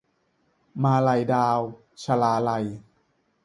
มาลัยดาว - ชลาลัย